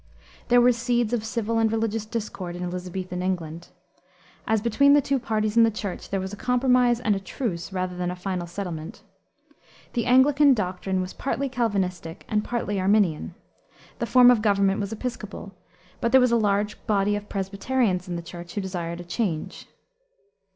There were seeds of civil and religious discord in Elisabethan England. As between the two parties in the Church there was a compromise and a truce rather than a final settlement. The Anglican doctrine was partly Calvinistic and partly Arminian. The form of government was Episcopal, but there was a large body of Presbyterians in the Church who desired a change.